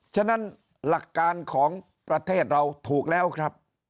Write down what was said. ฉะนั้นหลักการของประเทศเราถูกแล้วครับ